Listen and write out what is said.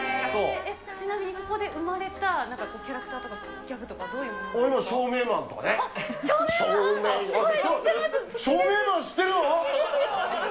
ちなみにそこで生まれたなんかキャラクターとかギャグとかどういうものなんですか？